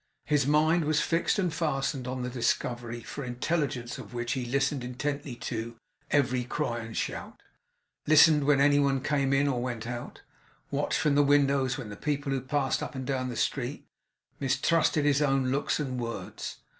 His mind was fixed and fastened on the discovery, for intelligence of which he listened intently to every cry and shout; listened when any one came in or went out; watched from the window the people who passed up and down the street; mistrusted his own looks and words.